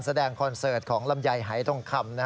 คอนเสิร์ตของลำไยหายทองคำ